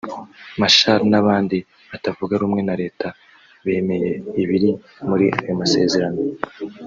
Machar n’abandi batavuga rumwe na Leta bemeye ibiri muri ayo masezerano